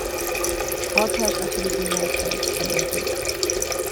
Bulkheads are typically lightweight when empty.